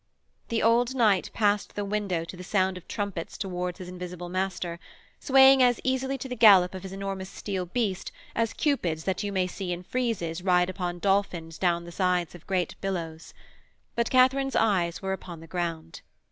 The old knight passed the window to the sound of trumpets towards his invisible master, swaying as easily to the gallop of his enormous steel beast as cupids that you may see in friezes ride upon dolphins down the sides of great billows; but Katharine's eyes were upon the ground.